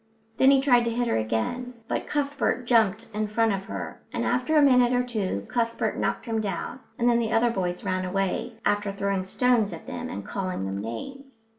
Then he tried to hit her again, but Cuthbert jumped in front of her, and after a minute or two Cuthbert knocked him down; and then the other boys ran away, after throwing stones at them and calling them names.